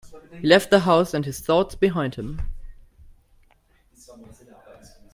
He left the house and his thoughts behind him.